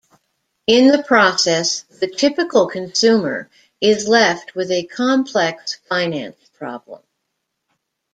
In the process, the typical consumer is left with a complex finance problem.